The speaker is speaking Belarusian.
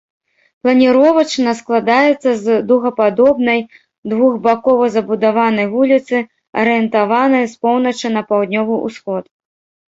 Планіровачна складаецца з дугападобнай, двухбакова забудаванай вуліцы, арыентаванай з поўначы на паўднёвы ўсход.